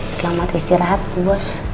selamat istirahat bu bos